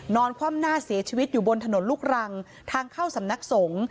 คว่ำหน้าเสียชีวิตอยู่บนถนนลูกรังทางเข้าสำนักสงฆ์